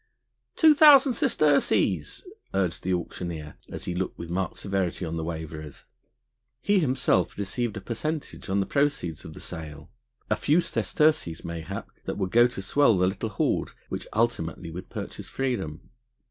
"Two thousand sesterces!" urged the auctioneer, as he looked with marked severity on the waverers. He himself received a percentage on the proceeds of the sale, a few sesterces mayhap that would go to swell the little hoard which ultimately would purchase freedom.